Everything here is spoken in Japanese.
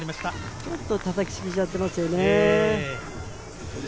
ちょっと叩き過ぎちゃっていますよね。